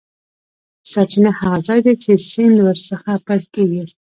سرچینه هغه ځاي دی چې سیند ور څخه پیل کیږي.